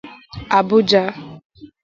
Abuja.